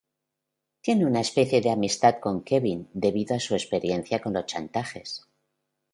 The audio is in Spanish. Tiene una especie de amistad con Kevin debido a su experiencia con los chantajes.